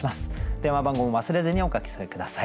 電話番号も忘れずにお書き添え下さい。